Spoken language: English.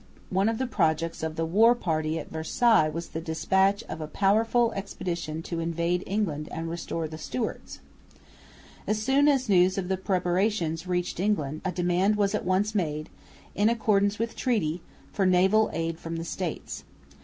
One of the projects of the war party at Versailles was the despatch of a powerful expedition to invade England and restore the Stewarts. As soon as news of the preparations reached England, a demand was at once made, in accordance with treaty, for naval aid from the States.